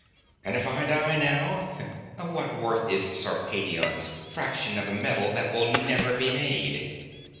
And if I die now, of what worth is Sarpedion's fraction of a metal that will never be made?